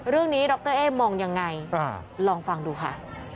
เรื่องนี้ดรเอมองอย่างไรลองฟังดูค่ะ